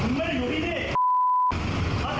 มึงทำได้ยังไงมึงทำกับกูได้ยังไง